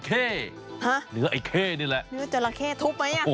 เนื้อจระเข้เนื้อไอ้เข้นี่แหละเนื้อจระเข้ทุบไหม